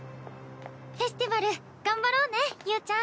フェスティバル頑張ろうね侑ちゃん。